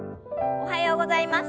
おはようございます。